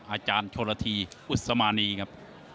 อาจารย์ชนละทีอุศมานีครับ